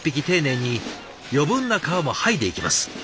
丁寧に余分な皮も剥いでいきます。